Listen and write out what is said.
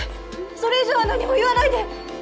それ以上は何も言わないで。